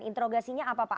interogasinya apa pak